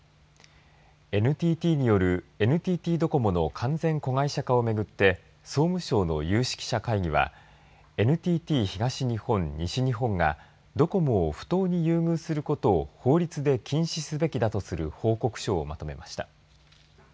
ＮＴＴによるＮＴＴドコモの完全子会社化をめぐって総務省の有識者会議はＮＴＴ東日本、西日本がドコモを不当に優遇することを法律で禁止すべきだとする報告書をまとめました。